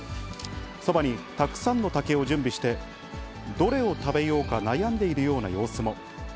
そばにたくさんの竹を準備して、どれを食べようか悩んでいるような様子も。